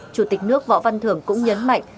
chủ tịch nước võ văn thưởng cũng nhấn mạnh